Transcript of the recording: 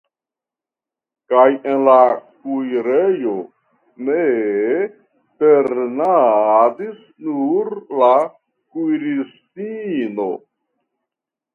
Kaj en la kuirejo ne ternadis nur la kuiristino.